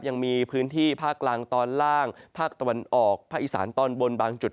ยังมีพื้นที่ภาคกลางตอนล่างภาคตะวันออกภาคอีสานตอนบนบางจุด